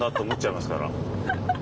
思っちゃいますから。